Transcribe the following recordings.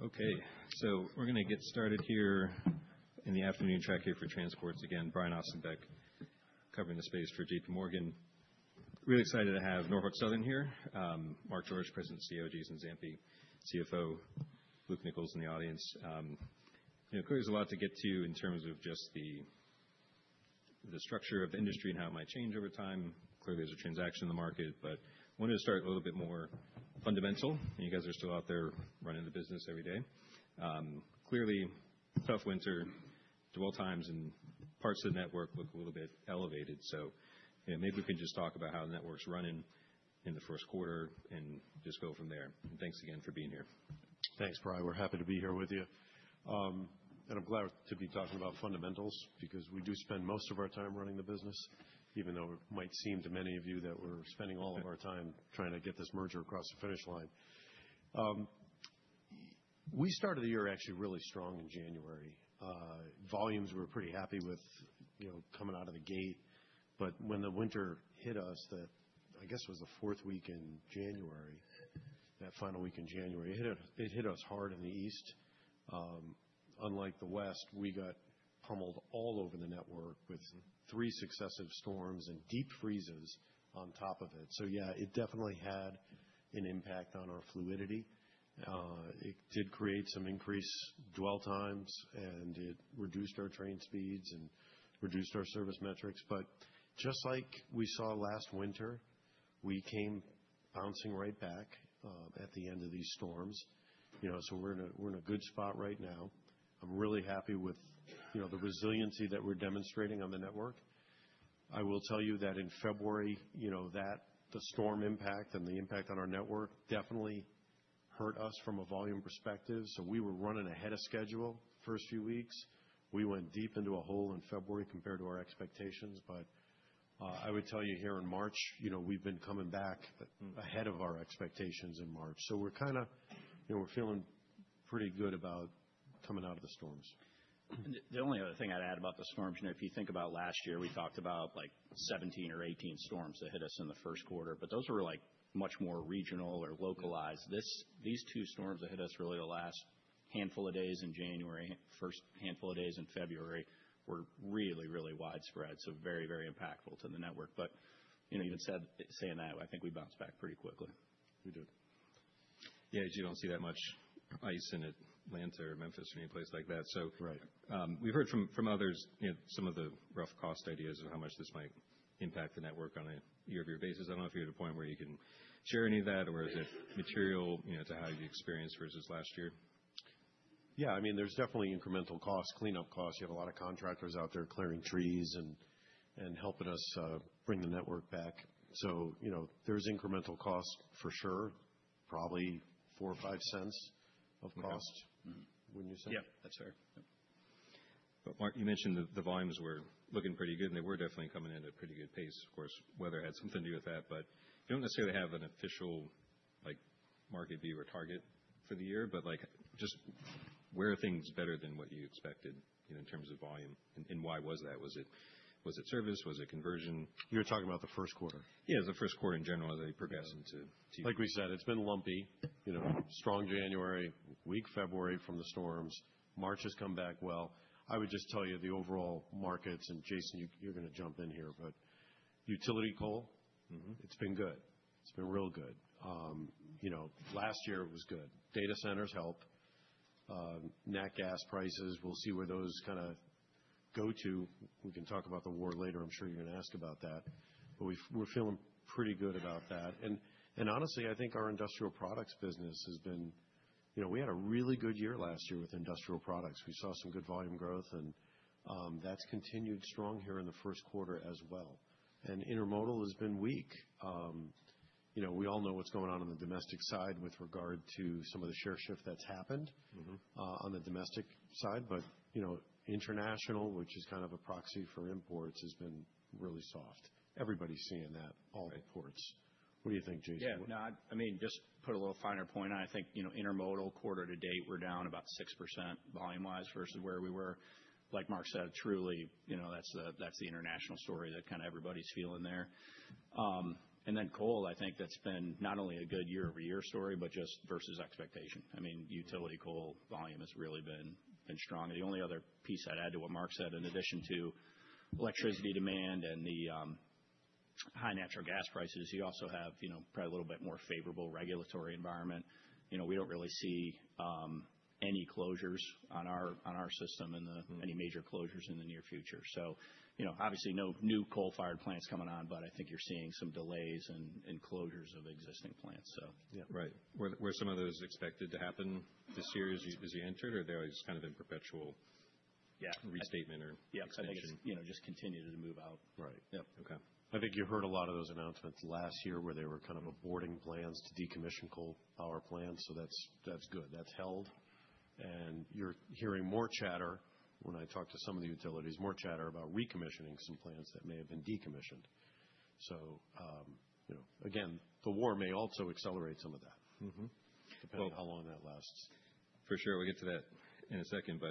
Okay, we're gonna get started here in the afternoon track here for transports. Again, Brian Ossenbeck, covering the space for J.P. Morgan. Really excited to have Norfolk Southern here. Mark R. George, President and CEO, Jason Zampi, CFO, Luke Nichols in the audience. You know, clearly there's a lot to get to in terms of just the structure of the industry and how it might change over time. Clearly, there's a transaction in the market, but wanted to start a little bit more fundamental. You guys are still out there running the business every day. Clearly, tough winter, dwell times and parts of the network look a little bit elevated. You know, maybe we can just talk about how the network's running in the first quarter and just go from there. Thanks again for being here. Thanks, Brian. We're happy to be here with you. I'm glad to be talking about fundamentals because we do spend most of our time running the business, even though it might seem to many of you that we're spending all of our time trying to get this merger across the finish line. We started the year actually really strong in January. Volumes. We were pretty happy with, you know, coming out of the gate. When the winter hit us, that, I guess, was the fourth week in January, that final week in January, it hit us hard in the East. Unlike the West, we pummeled all over the network with three successive storms and deep freezes on top of it. Yeah, it definitely had an impact on our fluidity. It did create some increased dwell times, and it reduced our train speeds and reduced our service metrics. Just like we saw last winter, we came bouncing right back at the end of these storms. You know, we're in a good spot right now. I'm really happy with, you know, the resiliency that we're demonstrating on the network. I will tell you that in February, you know, that the storm impact and the impact on our network definitely hurt us from a volume perspective. We were running ahead of schedule first few weeks. We went deep into a hole in February compared to our expectations. I would tell you here in March, you know, we've been coming back ahead of our expectations in March. We're kinda, you know, we're feeling pretty good about coming out of the storms. The only other thing I'd add about the storms, you know, if you think about last year, we talked about, like, 17 or 18 storms that hit us in the first quarter, but those were, like, much more regional or localized. These two storms that hit us really the last handful of days in January, first handful of days in February were really, really widespread, so very, very impactful to the network. You know, having said that, I think we bounced back pretty quickly. We did. Yeah. You don't see that much ice in Atlanta or Memphis or any place like that. Right. We've heard from others, you know, some of the rough cost ideas of how much this might impact the network on a year-over-year basis. I don't know if you're at a point where you can share any of that, or is it material, you know, to how you experienced versus last year? I mean, there's definitely incremental costs, cleanup costs. You have a lot of contractors out there clearing trees and helping us bring the network back. You know, there's incremental costs for sure. Probably $0.04-$0.05 of cost. Okay. Mm-hmm. Wouldn't you say? Yeah. That's fair. Mark, you mentioned that the volumes were looking pretty good, and they were definitely coming in at a pretty good pace. Of course, weather had something to do with that. You don't necessarily have an official, like, market view or target for the year. Like, just where are things better than what you expected in terms of volume, and why was that? Was it service? Was it conversion? You're talking about the first quarter? Yeah, the first quarter in general as they progress into Q- Like we said, it's been lumpy. You know, strong January, weak February from the storms. March has come back well. I would just tell you the overall markets, and Jason, you're gonna jump in here, but utility coal- Mm-hmm. It's been good. It's been real good. You know, last year it was good. Data centers help. Nat gas prices, we'll see where those kinda go to. We can talk about the war later. I'm sure you're gonna ask about that. But we're feeling pretty good about that. And honestly, I think our industrial products business has been. You know, we had a really good year last year with industrial products. We saw some good volume growth and, that's continued strong here in the first quarter as well. And intermodal has been weak. You know, we all know what's going on on the domestic side with regard to some of the share shift that's happened. Mm-hmm. on the domestic side. You know, international, which is kind of a proxy for imports, has been really soft. Everybody's seeing that, all imports. What do you think, Jason? Yeah. No, I mean, just put a little finer point on it. I think, you know, intermodal quarter to date, we're down about 6% volume-wise versus where we were. Like Mark said, truly, you know, that's the international story that everybody's feeling there. And then coal, I think that's been not only a good year-over-year story, but just versus expectation. I mean, utility coal volume has really been strong. The only other piece I'd add to what Mark said, in addition to electricity demand and the high natural gas prices, you also have, you know, probably a little bit more favorable regulatory environment. You know, we don't really see any closures on our system in the- Mm-hmm. Any major closures in the near future. You know, obviously no new coal-fired plants coming on, but I think you're seeing some delays and closures of existing plants, so. Yeah. Right. Were some of those expected to happen this year as you entered? Or they're always kind of in perpetual- Yeah. Restatement or extension? Yeah. I think it's, you know, just continued to move out. Right. Yep. Okay. I think you heard a lot of those announcements last year where they were kind of aborting plans to decommission coal power plants, so that's good. That's held. You're hearing more chatter when I talk to some of the utilities, more chatter about recommissioning some plants that may have been decommissioned. You know, again, the war may also accelerate some of that. Mm-hmm. Depending on how long that lasts. For sure. We'll get to that in a second.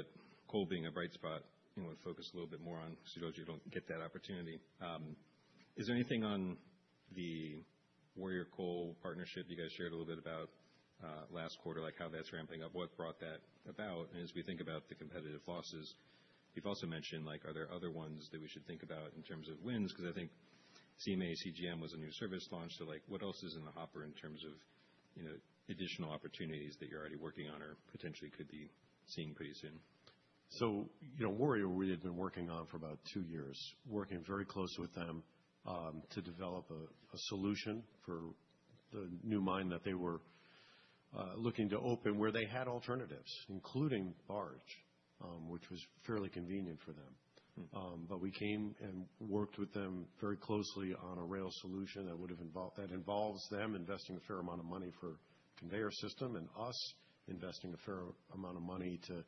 Coal being a bright spot, you know, to focus a little bit more on because I told you don't get that opportunity. Is there anything on the Warrior Met Coal partnership you guys shared a little bit about last quarter, like how that's ramping up, what brought that about? As we think about the competitive losses, you've also mentioned, like are there other ones that we should think about in terms of wins? Because I think CMA CGM was a new service launch. Like, what else is in the hopper in terms of, you know, additional opportunities that you're already working on or potentially could be seeing pretty soon? you know, Warrior, we had been working on for about two years, working very close with them, to develop a solution for the new mine that they were looking to open where they had alternatives, including barge, which was fairly convenient for them. Mm-hmm. We came and worked with them very closely on a rail solution that involves them investing a fair amount of money for conveyor system and us investing a fair amount of money to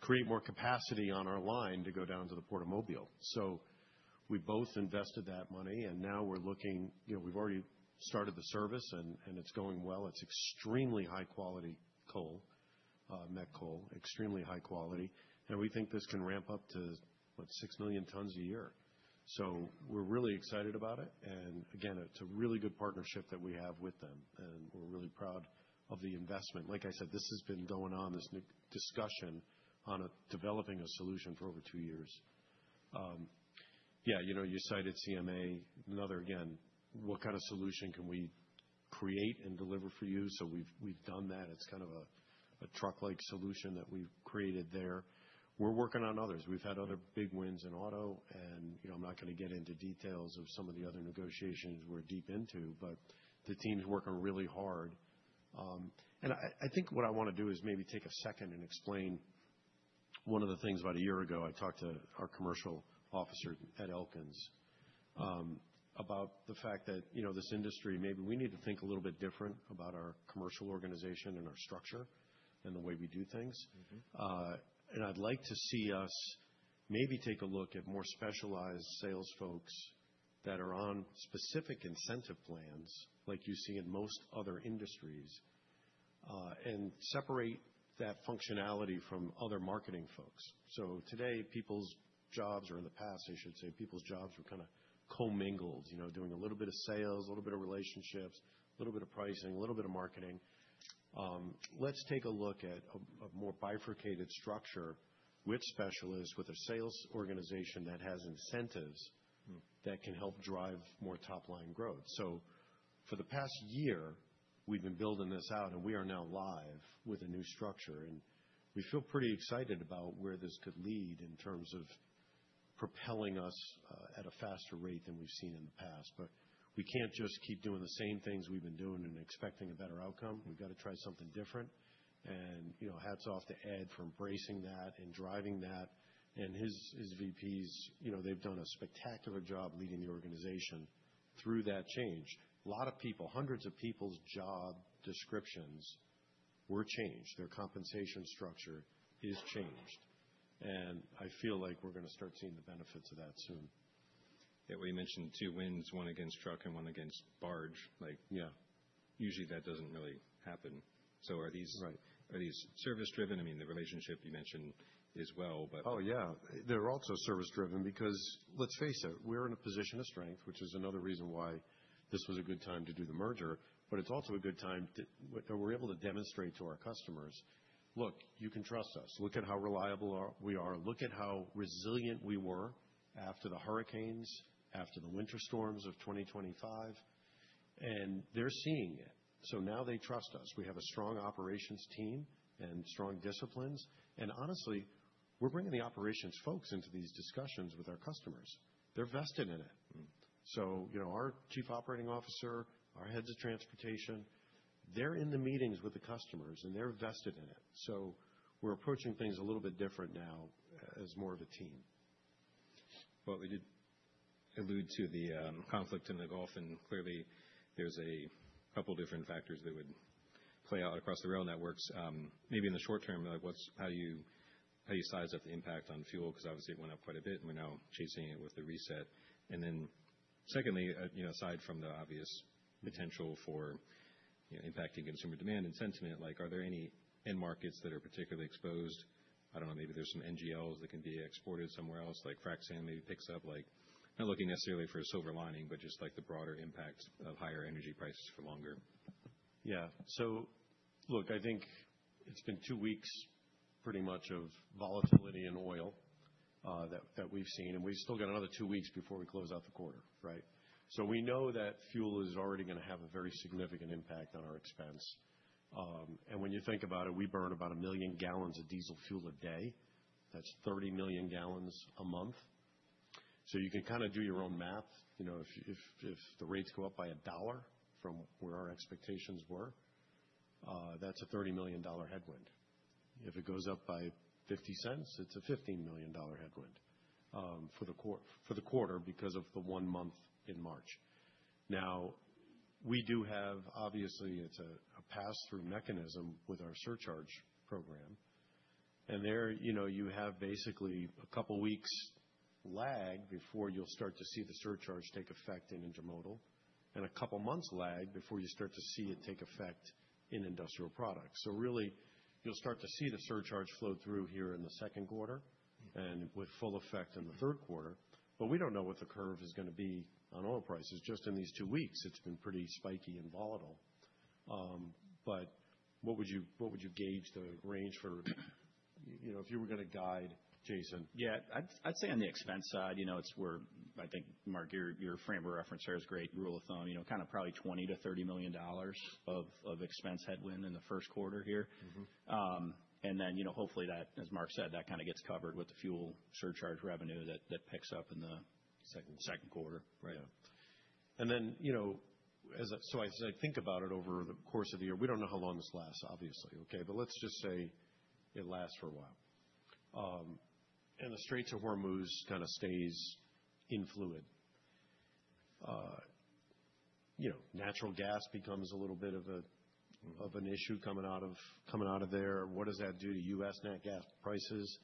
create more capacity on our line to go down to the Port of Mobile. We both invested that money, and now we're looking. You know, we've already started the service and it's going well. It's extremely high quality coal, met coal, extremely high quality. We think this can ramp up to, what, 6 million tons a year. We're really excited about it. Again, it's a really good partnership that we have with them, and we're really proud of the investment. Like I said, this has been going on, this discussion on developing a solution for over two years. Yeah, you know, you cited CMA, another again, what kind of solution can we create and deliver for you? We've done that. It's kind of a truck-like solution that we've created there. We're working on others. We've had other big wins in auto, and, you know, I'm not gonna get into details of some of the other negotiations we're deep into, but the team's working really hard. I think what I wanna do is maybe take a second and explain one of the things about a year ago. I talked to our commercial officer, Claude E. Elkins, about the fact that, you know, this industry, maybe we need to think a little bit different about our commercial organization and our structure and the way we do things. Mm-hmm. I'd like to see us maybe take a look at more specialized sales folks that are on specific incentive plans like you see in most other industries, and separate that functionality from other marketing folks. Today, people's jobs, or in the past, I should say, people's jobs were kinda co-mingled, you know, doing a little bit of sales, a little bit of relationships, a little bit of pricing, a little bit of marketing. Let's take a look at a more bifurcated structure with specialists, with a sales organization that has incentives. Mm. that can help drive more top-line growth. For the past year, we've been building this out, and we are now live with a new structure, and we feel pretty excited about where this could lead in terms of propelling us at a faster rate than we've seen in the past. We can't just keep doing the same things we've been doing and expecting a better outcome. We've gotta try something different. You know, hats off to Ed Elkins for embracing that and driving that. His VPs, you know, they've done a spectacular job leading the organization through that change. A lot of people, hundreds of people's job descriptions were changed. Their compensation structure is changed. I feel like we're gonna start seeing the benefits of that soon. Yeah. Well, you mentioned 2 wins, 1 against truck and 1 against barge. Yeah. usually that doesn't really happen. Are these Right. Are these service driven? I mean, the relationship you mentioned is well, but- Oh, yeah. They're also service driven because, let's face it, we're in a position of strength, which is another reason why this was a good time to do the merger, but it's also a good time. We're able to demonstrate to our customers, "Look, you can trust us. Look at how reliable we are. Look at how resilient we were after the hurricanes, after the winter storms of 2025." They're seeing it, so now they trust us. We have a strong operations team and strong disciplines. Honestly, we're bringing the operations folks into these discussions with our customers. They're vested in it. Mm. You know, our chief operating officer, our heads of transportation, they're in the meetings with the customers, and they're vested in it. We're approaching things a little bit different now as more of a team. Well, we did allude to the conflict in the Gulf, and clearly there's a couple different factors that would play out across the rail networks. Maybe in the short term, how do you size up the impact on fuel? Because obviously it went up quite a bit, and we're now chasing it with the reset. Then secondly, you know, aside from the obvious potential for, you know, impacting consumer demand and sentiment, like, are there any end markets that are particularly exposed? I don't know, maybe there's some NGLs that can be exported somewhere else, like frac sand maybe picks up, like not looking necessarily for a silver lining, but just like the broader impact of higher energy prices for longer. Yeah. Look, I think it's been 2 weeks pretty much of volatility in oil, that we've seen, and we've still got another 2 weeks before we close out the quarter, right? We know that fuel is already gonna have a very significant impact on our expense. When you think about it, we burn about 1 million gallons of diesel fuel a day. That's 30 million gallons a month. You can kinda do your own math. You know, if the rates go up by $1 from where our expectations were, that's a $30 million headwind. If it goes up by 50 cents, it's a $15 million headwind, for the quarter because of the 1 month in March. Now, we do have, obviously, it's a pass-through mechanism with our surcharge program. There, you know, you have basically a couple weeks lag before you'll start to see the surcharge take effect in intermodal, and a couple months lag before you start to see it take effect in industrial products. Really, you'll start to see the surcharge flow through here in the second quarter and with full effect in the third quarter. We don't know what the curve is gonna be on oil prices. Just in these two weeks, it's been pretty spiky and volatile. What would you gauge the range for, you know, if you were gonna guide Jason? Yeah. I'd say on the expense side, you know, it's where I think, Mark, your frame of reference here is great. Rule of thumb, you know, kind of probably $20 million-$30 million of expense headwind in the first quarter here. Mm-hmm. you know, hopefully that, as Mark said, that kind of gets covered with the fuel surcharge revenue that picks up in the- Second second quarter. Right. You know, as I think about it over the course of the year, we don't know how long this lasts, obviously, okay? Let's just say it lasts for a while. The Strait of Hormuz kind of stays fluid. You know, natural gas becomes a little bit of an issue coming out of there. What does that do to U.S. nat gas prices?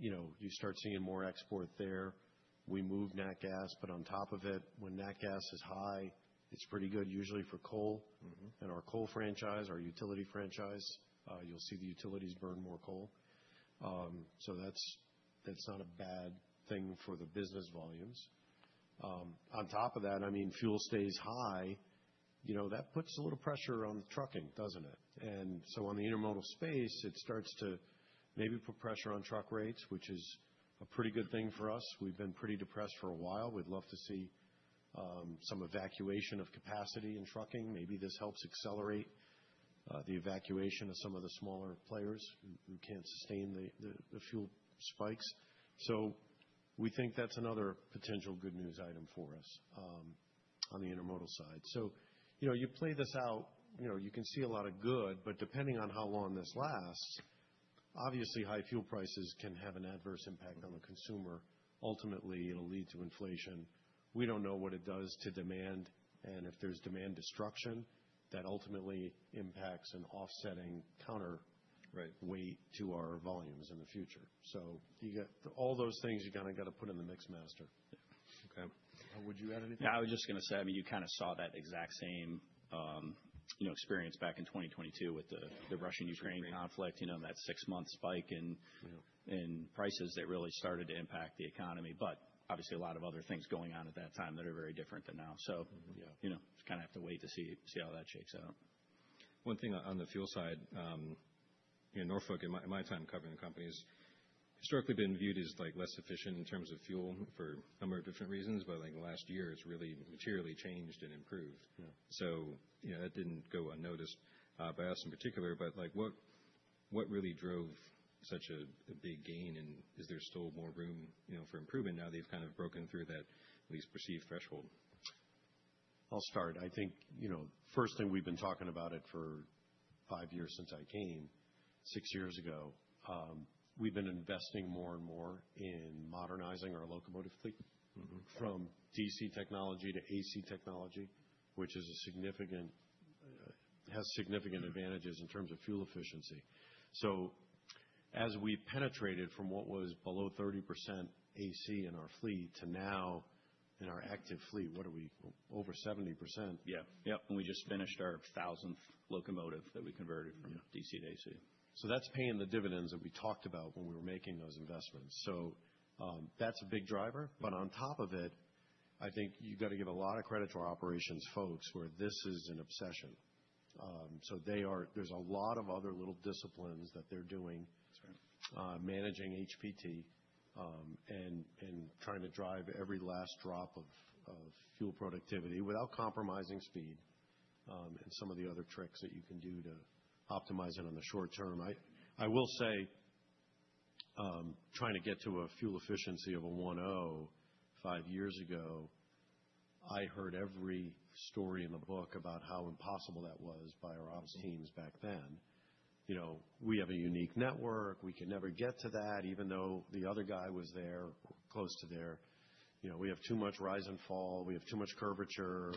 You know, you start seeing more export there. We move nat gas, but on top of it, when nat gas is high, it's pretty good usually for coal. Mm-hmm. Our coal franchise, our utility franchise. You'll see the utilities burn more coal. That's not a bad thing for the business volumes. On top of that, I mean, fuel stays high, you know, that puts a little pressure on trucking, doesn't it? On the intermodal space, it starts to maybe put pressure on truck rates, which is a pretty good thing for us. We've been pretty depressed for a while. We'd love to see some evacuation of capacity in trucking. Maybe this helps accelerate the evacuation of some of the smaller players who can't sustain the fuel spikes. We think that's another potential good news item for us on the intermodal side. You know, you play this out, you know, you can see a lot of good, but depending on how long this lasts, obviously high fuel prices can have an adverse impact on the consumer. Ultimately, it'll lead to inflation. We don't know what it does to demand, and if there's demand destruction, that ultimately impacts an offsetting counter. Right... weight to our volumes in the future. You got all those things you kinda gotta put in the mix master. Yeah. Okay. Would you add anything? No, I was just gonna say, I mean, you kind of saw that exact same, you know, experience back in 2022 with the Russo-Ukrainian War. You know, that six-month spike in Yeah in prices that really started to impact the economy. Obviously, a lot of other things going on at that time that are very different than now. Mm-hmm You know, just kinda have to wait to see how that shakes out. One thing on the fuel side, you know, Norfolk, in my time covering the company, has historically been viewed as, like, less efficient in terms of fuel for a number of different reasons. I think in the last year has really materially changed and improved. Yeah. You know, that didn't go unnoticed by us in particular, but like, what really drove such a big gain, and is there still more room, you know, for improvement now they've kind of broken through that at least perceived threshold? I'll start. I think, you know, first thing, we've been talking about it for five years since I came six years ago. We've been investing more and more in modernizing our locomotive fleet- Mm-hmm... from DC technology to AC technology, which has significant advantages in terms of fuel efficiency. As we penetrated from what was below 30% AC in our fleet to now in our active fleet, what are we? Over 70%. Yeah. Yep. We just finished our thousandth locomotive that we converted from DC to AC. That's paying the dividends that we talked about when we were making those investments. That's a big driver. On top of it, I think you've got to give a lot of credit to our operations folks, where this is an obsession. There's a lot of other little disciplines that they're doing. That's right. Managing HPT, and trying to drive every last drop of fuel productivity without compromising speed, and some of the other tricks that you can do to optimize it on the short term. I will say, trying to get to a fuel efficiency of 1.05 years ago, I heard every story in the book about how impossible that was by our ops teams back then. You know, we have a unique network. We can never get to that, even though the other guy was there, close to there. You know, we have too much rise and fall. We have too much curvature.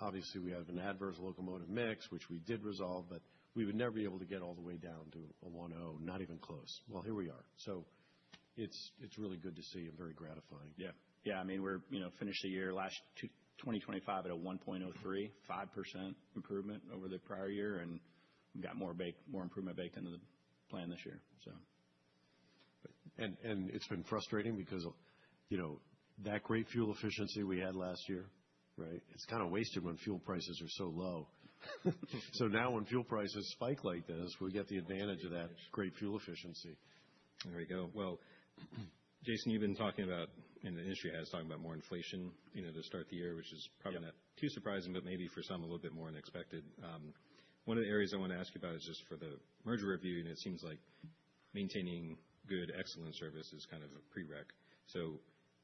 Obviously, we have an adverse locomotive mix, which we did resolve, but we would never be able to get all the way down to a 1.0, not even close. Well, here we are. It's really good to see and very gratifying. Yeah. I mean, we're, you know, finished the year at a 1.03, 5% improvement over the prior year, and we've got more improvement baked into the plan this year, so. it's been frustrating because, you know, that great fuel efficiency we had last year, right, it's kinda wasted when fuel prices are so low. Now when fuel prices spike like this, we get the advantage of that great fuel efficiency. There we go. Well, Jason, you've been talking about, and the industry has, talking about more inflation, you know, to start the year, which is probably. Yeah not too surprising, but maybe for some, a little bit more unexpected. One of the areas I wanna ask you about is just for the merger review, and it seems like maintaining good, excellent service is kind of a prereq.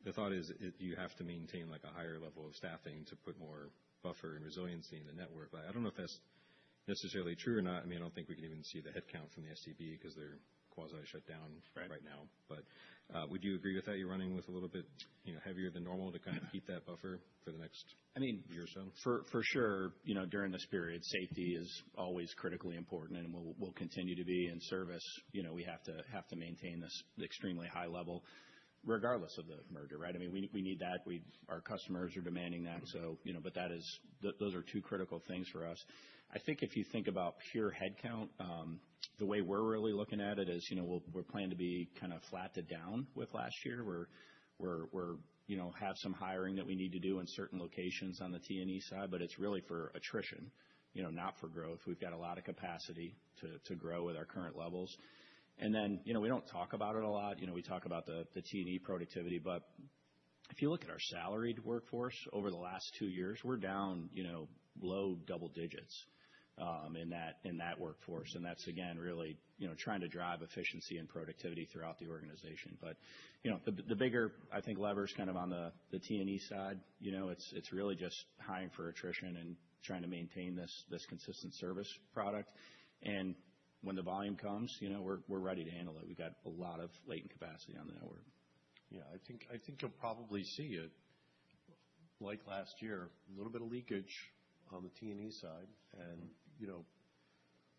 The thought is it, you have to maintain like a higher level of staffing to put more buffer and resiliency in the network. I don't know if that's necessarily true or not. I mean, I don't think we can even see the headcount from the STB because they're quasi shut down. Right right now. Would you agree with that, you're running with a little bit, you know, heavier than normal to kind of keep that buffer for the next- I mean. year or so? For sure, you know, during this period, safety is always critically important and will continue to be in service. You know, we have to maintain this extremely high level regardless of the merger, right? I mean, we need that. Our customers are demanding that. Mm-hmm. Those are two critical things for us. I think if you think about pure headcount, the way we're really looking at it is, we plan to be kind of flat to down with last year. We have some hiring that we need to do in certain locations on the T&E side, but it's really for attrition, not for growth. We've got a lot of capacity to grow with our current levels. We don't talk about it a lot. We talk about the T&E productivity, but if you look at our salaried workforce over the last two years, we're down low double digits in that workforce. That's again, really, trying to drive efficiency and productivity throughout the organization. You know, the bigger, I think, lever is kind of on the T&E side. You know, it's really just hiring for attrition and trying to maintain this consistent service product. When the volume comes, you know, we're ready to handle it. We got a lot of latent capacity on the network. Yeah, I think you'll probably see it like last year, a little bit of leakage on the T&E side. You know,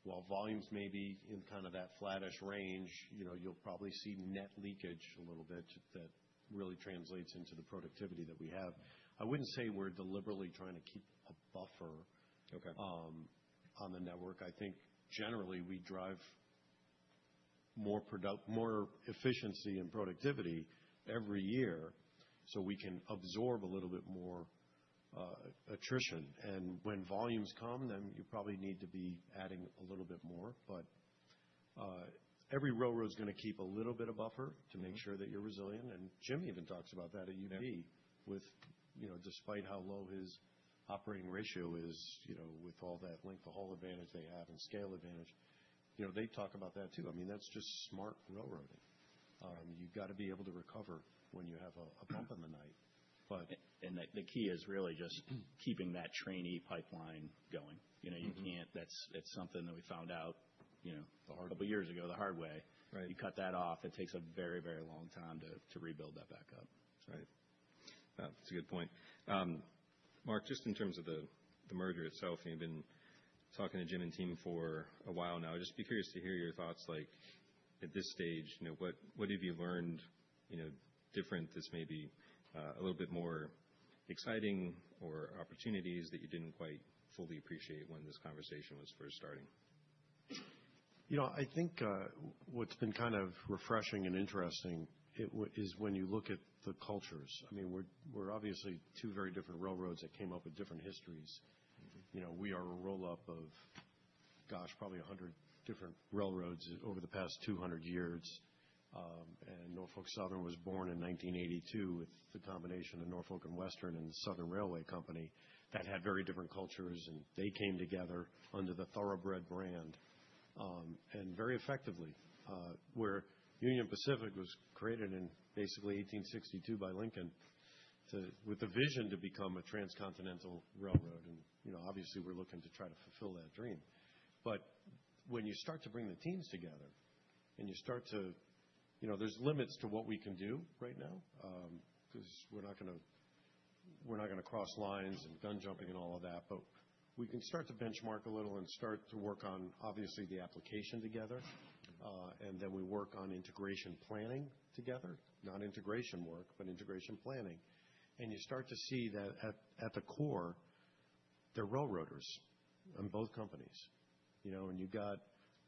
while volumes may be in kind of that flattish range, you know, you'll probably see net leakage a little bit that really translates into the productivity that we have. I wouldn't say we're deliberately trying to keep a buffer. Okay on the network. I think generally we drive more efficiency and productivity every year so we can absorb a little bit more attrition. When volumes come, then you probably need to be adding a little bit more. Every railroad's gonna keep a little bit of buffer to make sure that you're resilient, and Jim even talks about that at UP. Yeah with, you know, despite how low his Operating Ratio is, you know, with all that length of haul advantage they have and scale advantage, you know, they talk about that too. I mean, that's just smart railroading. You've got to be able to recover when you have a bump in the night. The key is really just keeping that trainee pipeline going. You know, that's something that we found out, you know, a couple years ago, the hard way. Right. You cut that off, it takes a very, very long time to rebuild that back up. Right. That's a good point. Mark, just in terms of the merger itself, you've been talking to Jim and team for a while now. Just be curious to hear your thoughts, like at this stage, you know, what have you learned, you know, different that's maybe a little bit more exciting or opportunities that you didn't quite fully appreciate when this conversation was first starting? You know, I think what's been kind of refreshing and interesting is when you look at the cultures. I mean, we're obviously two very different railroads that came up with different histories. You know, we are a roll-up of, gosh, probably 100 different railroads over the past 200 years. Norfolk Southern was born in 1982 with the combination of Norfolk and Western Railway and Southern Railway Company that had very different cultures, and they came together under the Thoroughbred brand, and very effectively. Where Union Pacific was created in basically 1862 by Lincoln with the vision to become a transcontinental railroad. You know, obviously, we're looking to try to fulfill that dream. When you start to bring the teams together, you know, there's limits to what we can do right now, because we're not gonna cross lines and gun jumping and all of that. We can start to benchmark a little and start to work on, obviously the application together. Then we work on integration planning together. Not integration work, but integration planning. You start to see that at the core, they're railroaders on both companies. You've got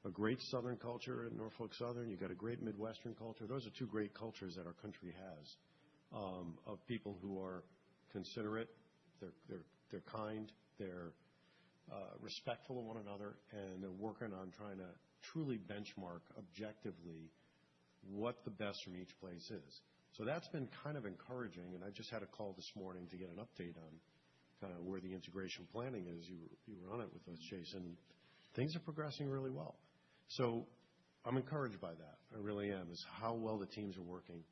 a great Southern culture at Norfolk Southern. You've got a great Midwestern culture. Those are two great cultures that our country has, of people who are considerate. They're kind, they're respectful of one another, and they're working on trying to truly benchmark objectively what the best from each place is. That's been kind of encouraging. I just had a call this morning to get an update on kinda where the integration planning is. You were on it with us, Jason. Things are progressing really well. I'm encouraged by that. I really am, is how well the teams are working.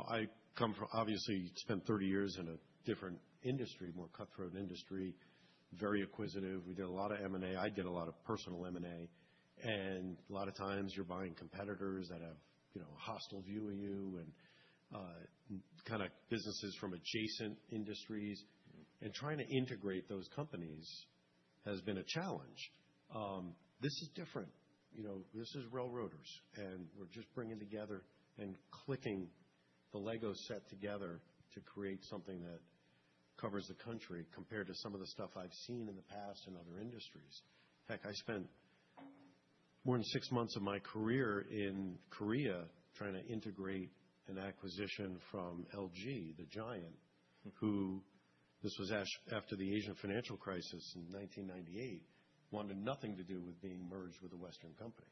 I come from obviously spent 30 years in a different industry, more cutthroat industry, very acquisitive. We did a lot of M&A. I did a lot of personal M&A. A lot of times you're buying competitors that have, you know, a hostile view of you and kinda businesses from adjacent industries. Trying to integrate those companies has been a challenge. This is different. You know, this is railroaders, and we're just bringing together and clicking the Lego set together to create something that covers the country compared to some of the stuff I've seen in the past in other industries. In fact, I spent more than six months of my career in Korea trying to integrate an acquisition from LG, the giant. Mm-hmm. Who, this was after the Asian financial crisis in 1998, wanted nothing to do with being merged with a Western company.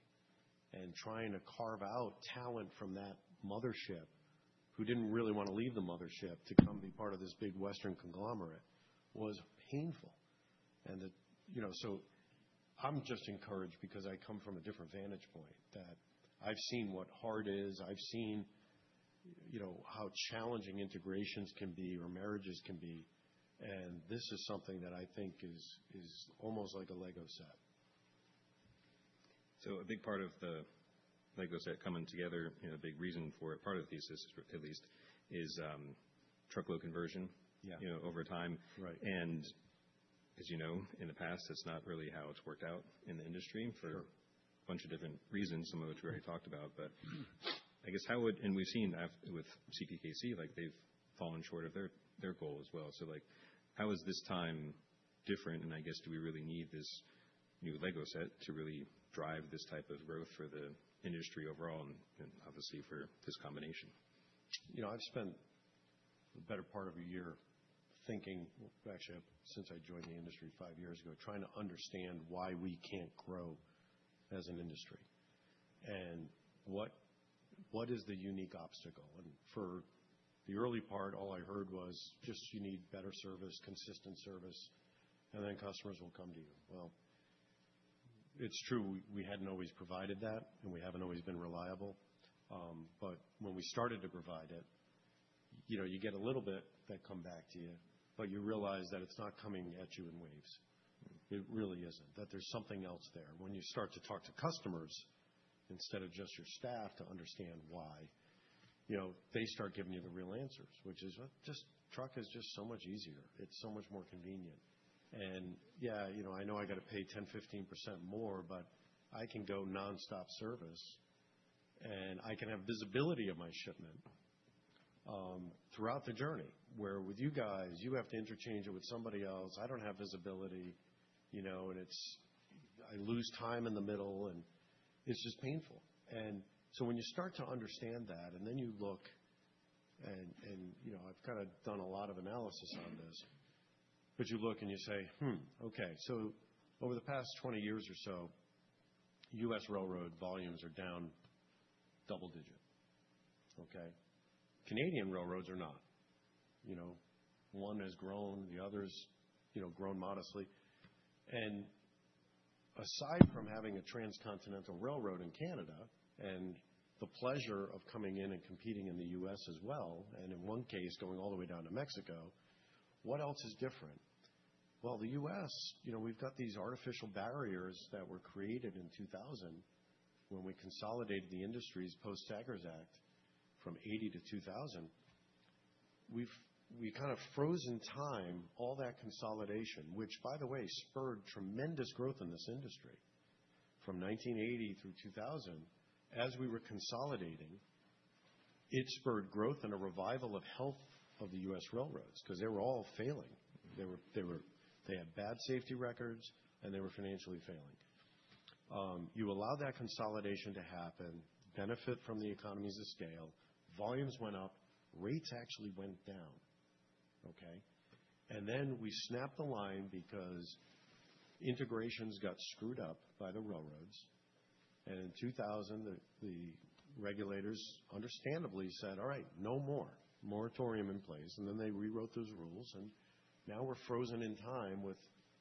Trying to carve out talent from that mothership who didn't really wanna leave the mothership to come be part of this big Western conglomerate was painful. It, you know, so I'm just encouraged because I come from a different vantage point, that I've seen what hard is. I've seen, you know, how challenging integrations can be or marriages can be, and this is something that I think is almost like a LEGO set. A big part of the Lego set coming together, you know, a big reason for it, part of the thesis at least is, truckload conversion. Yeah you know, over time. Right. As you know, in the past, that's not really how it's worked out in the industry. Sure for a bunch of different reasons, some of which we already talked about. I guess, and we've seen with CPKC, like they've fallen short of their goal as well. Like, how is this time different? I guess, do we really need this new Lego set to really drive this type of growth for the industry overall and obviously for this combination? You know, I've spent the better part of a year thinking, actually, since I joined the industry five years ago, trying to understand why we can't grow as an industry and what is the unique obstacle? For the early part, all I heard was just you need better service, consistent service, and then customers will come to you. Well, it's true, we hadn't always provided that, and we haven't always been reliable. But when we started to provide it, you know, you get a little bit that come back to you, but you realize that it's not coming at you in waves. It really isn't, that there's something else there. When you start to talk to customers instead of just your staff to understand why, you know, they start giving you the real answers, which is just truck is just so much easier. It's so much more convenient. Yeah, you know, I know I got to pay 10, 15% more, but I can go nonstop service, and I can have visibility of my shipment throughout the journey. Where with you guys, you have to interchange it with somebody else. I don't have visibility, you know, and it's. I lose time in the middle, and it's just painful. When you start to understand that, and then you look and you know, I've kind of done a lot of analysis on this. You look, and you say, "Hmm, okay." Over the past 20 years or so, U.S. railroad volumes are down double digit, okay? Canadian railroads are not. You know, one has grown, the other's, you know, grown modestly. Aside from having a transcontinental railroad in Canada and the pleasure of coming in and competing in the U.S. as well, and in one case, going all the way down to Mexico, what else is different? Well, the U.S., you know, we've got these artificial barriers that were created in 2000 when we consolidated the industries post-Staggers Act from 80 to 2000. We've kind of frozen time, all that consolidation, which, by the way, spurred tremendous growth in this industry. From 1980 through 2000, as we were consolidating, it spurred growth and a revival of health of the U.S. railroads because they were all failing. They had bad safety records, and they were financially failing. You allow that consolidation to happen, benefit from the economies of scale, volumes went up, rates actually went down, okay? Then we snapped the line because integrations got screwed up by the railroads. In 2000, the regulators understandably said, "All right, no more. Moratorium in place." Then they rewrote those rules, and now we're frozen in time with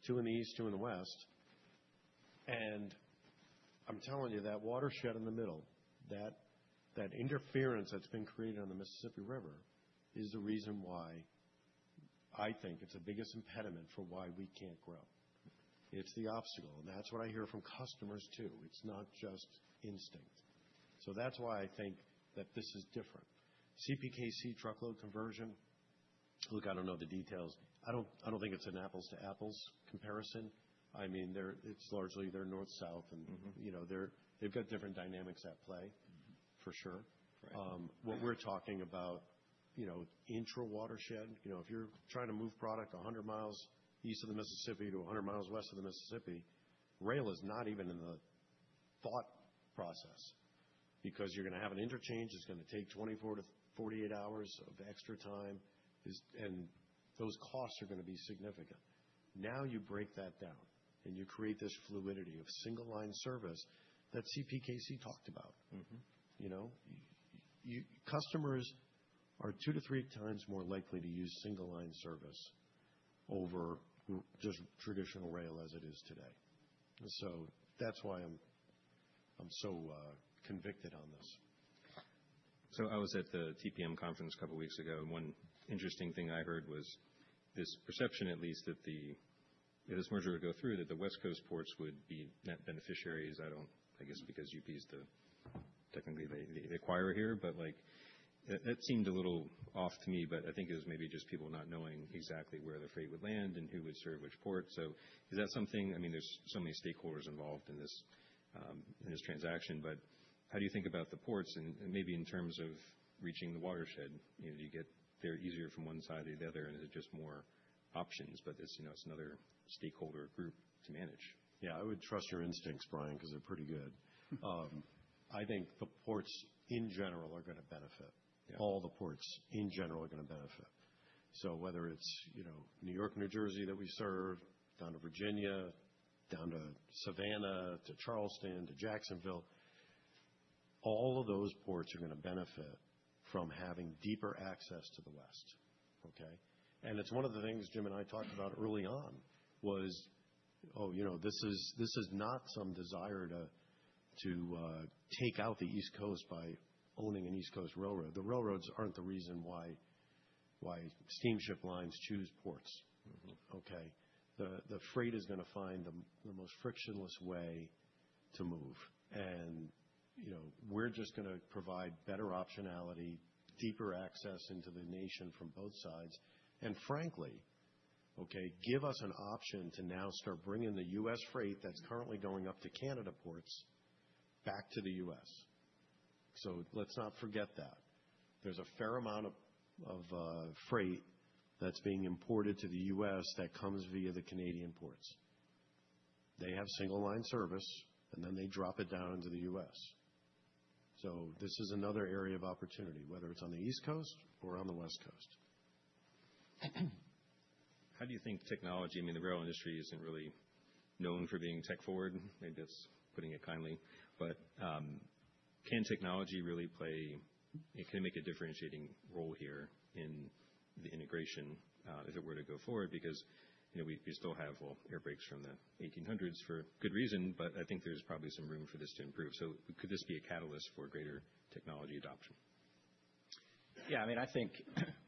2 in the east, 2 in the west. I'm telling you, that watershed in the middle, that interference that's been created on the Mississippi River is the reason why I think it's the biggest impediment for why we can't grow. It's the obstacle, and that's what I hear from customers, too. It's not just instinct. That's why I think that this is different. CPKC truckload conversion, look, I don't know the details. I don't think it's an apples to apples comparison. I mean, it's largely they're North, South, and- Mm-hmm. You know, they've got different dynamics at play for sure. Right. What we're talking about, you know, intra watershed, you know, if you're trying to move product 100 miles east of the Mississippi to 100 miles west of the Mississippi, rail is not even in the thought process because you're gonna have an interchange that's gonna take 24-48 hours of extra time. And those costs are gonna be significant. Now you break that down, and you create this fluidity of single-line service that CPKC talked about. Mm-hmm. You know, customers are 2-3 times more likely to use single-line service over just traditional rail as it is today. That's why I'm so convicted on this. I was at the TPM Conference a couple of weeks ago, and one interesting thing I heard was this perception, at least, that if this merger would go through, that the West Coast ports would be net beneficiaries. I don't I guess because UP is technically the acquirer here. But, like, that seemed a little off to me, but I think it was maybe just people not knowing exactly where the freight would land and who would serve which port. Is that something I mean, there's so many stakeholders involved in this transaction, but how do you think about the ports and maybe in terms of reaching the watershed? You know, do you get there easier from one side or the other? And is it just more options? But it's, you know, it's another stakeholder group to manage. Yeah. I would trust your instincts, Brian, because they're pretty good. I think the ports in general are gonna benefit. Yeah. All the ports in general are gonna benefit. Whether it's, you know, New York, New Jersey that we serve, down to Virginia, down to Savannah, to Charleston, to Jacksonville, all of those ports are gonna benefit from having deeper access to the west, okay? It's one of the things Jim and I talked about early on was, oh, you know, this is not some desire to take out the East Coast by owning an East Coast railroad. The railroads aren't the reason why steamship lines choose ports. Mm-hmm. Okay? The freight is gonna find the most frictionless way to move. You know, we're just gonna provide better optionality, deeper access into the nation from both sides, and frankly, okay, give us an option to now start bringing the U.S. freight that's currently going up to Canadian ports back to the U.S. Let's not forget that. There's a fair amount of freight that's being imported to the U.S. that comes via the Canadian ports. They have single-line service, and then they drop it down to the U.S. This is another area of opportunity, whether it's on the East Coast or on the West Coast. How do you think technology, I mean, the rail industry isn't really known for being tech forward. Maybe that's putting it kindly. But can technology really play a differentiating role here in the integration, if it were to go forward because, you know, we still have, well, air brakes from the 1800s for good reason, but I think there's probably some room for this to improve. Could this be a catalyst for greater technology adoption? Yeah, I mean, I think,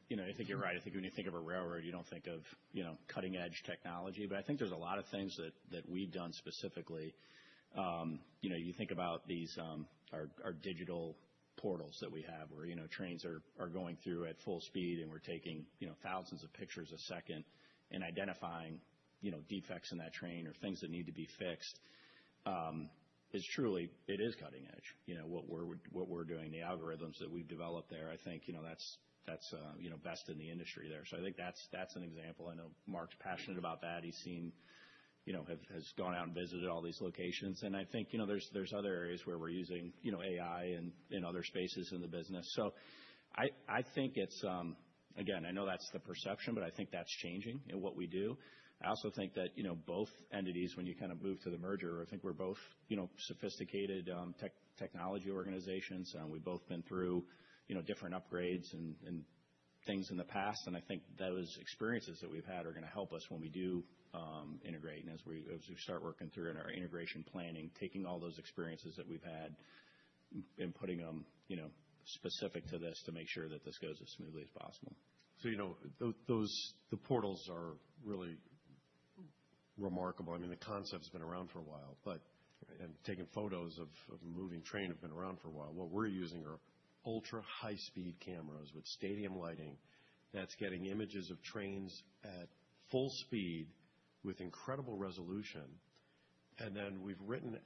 you know, I think you're right. I think when you think of a railroad, you don't think of, you know, cutting-edge technology. I think there's a lot of things that we've done specifically. You know, you think about these our digital portals that we have where, you know, trains are going through at full speed, and we're taking, you know, thousands of pictures a second and identifying, you know, defects in that train or things that need to be fixed, it is cutting edge. You know, what we're doing, the algorithms that we've developed there, I think, you know, that's best in the industry there. I think that's an example. I know Mark's passionate about that. He's seen, you know, has gone out and visited all these locations. I think, you know, there's other areas where we're using, you know, AI in other spaces in the business. I think it's, again, I know that's the perception, but I think that's changing in what we do. I also think that, you know, both entities, when you kind of move to the merger, I think we're both, you know, sophisticated technology organizations, and we've both been through, you know, different upgrades and things in the past. I think those experiences that we've had are gonna help us when we do integrate and as we start working through in our integration planning, taking all those experiences that we've had and putting them, you know, specific to this to make sure that this goes as smoothly as possible. You know, those portals are really remarkable. I mean, the concept's been around for a while, and taking photos of a moving train have been around for a while. What we're using are ultra-high speed cameras with stadium lighting that's getting images of trains at full speed with incredible resolution. We've written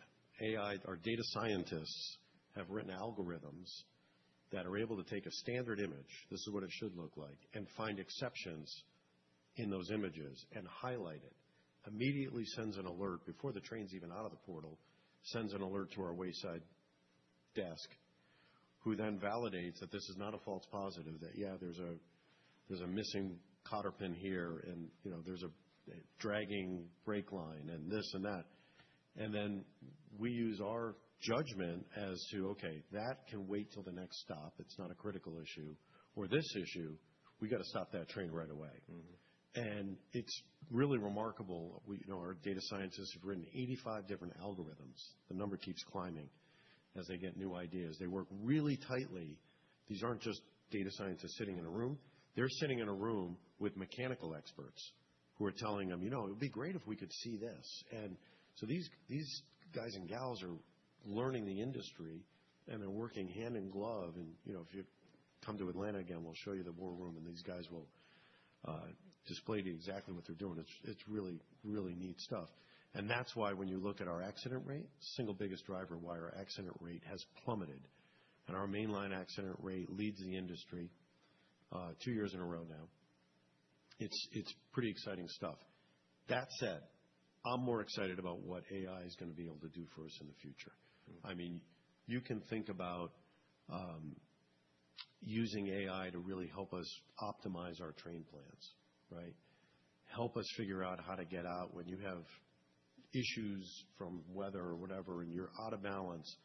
AI. Our data scientists have written algorithms that are able to take a standard image, this is what it should look like, and find exceptions in those images and highlight it. Immediately sends an alert before the train's even out of the portal, sends an alert to our wayside desk, who then validates that this is not a false positive, that, yeah, there's a missing cotter pin here and, you know, there's a dragging brake line and this and that. We use our judgment as to, okay, that can wait till the next stop. It's not a critical issue. Or this issue, we gotta stop that train right away. Mm-hmm. It's really remarkable. We know our data scientists have written 85 different algorithms. The number keeps climbing as they get new ideas. They work really tightly. These aren't just data scientists sitting in a room. They're sitting in a room with mechanical experts who are telling them, "You know, it'd be great if we could see this." These guys and gals are learning the industry, and they're working hand in glove. You know, if you come to Atlanta again, we'll show you the war room, and these guys will display to you exactly what they're doing. It's really neat stuff. That's why when you look at our accident rate, single biggest driver why our accident rate has plummeted and our main line accident rate leads the industry, two years in a row now. It's pretty exciting stuff. That said, I'm more excited about what AI is gonna be able to do for us in the future. Mm-hmm. I mean, you can think about using AI to really help us optimize our train plans, right? Help us figure out how to get out when you have issues from weather or whatever, and you're out of balance,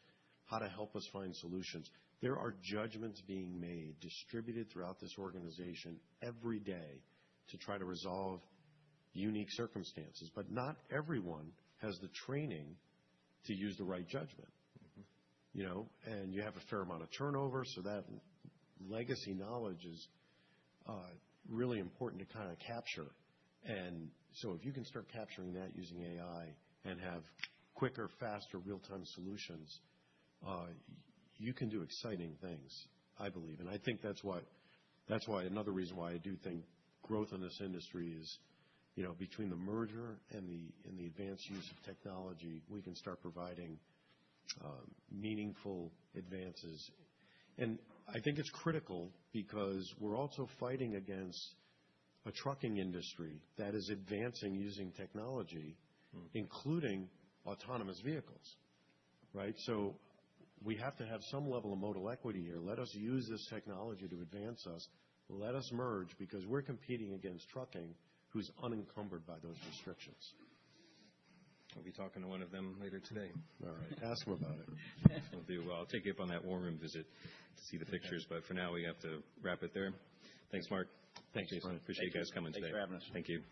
how to help us find solutions. There are judgments being made, distributed throughout this organization every day to try to resolve unique circumstances. But not everyone has the training to use the right judgment. Mm-hmm. You know, you have a fair amount of turnover, so that legacy knowledge is really important to kinda capture. If you can start capturing that using AI and have quicker, faster real-time solutions, you can do exciting things, I believe. I think that's another reason why I do think growth in this industry is, you know, between the merger and the advanced use of technology, we can start providing meaningful advances. I think it's critical because we're also fighting against a trucking industry that is advancing using technology. Mm-hmm. including autonomous vehicles, right? We have to have some level of modal equity here. Let us use this technology to advance us. Let us merge because we're competing against trucking, which is unencumbered by those restrictions. We'll be talking to one of them later today. All right. Ask him about it. We'll do. Well, I'll take you up on that war room visit to see the pictures, for now, we have to wrap it there. Thanks, Mark. Thanks, Jason. Thanks. Appreciate it. Appreciate you guys coming today. Thanks for having us. Thank you